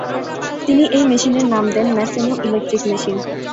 তিনি এই মেশিনের নাম দেন ম্যাসোনো ইলেক্ট্রিক মেশিন।